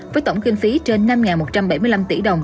với tổng kinh phí trên năm một trăm bảy mươi năm tỷ đồng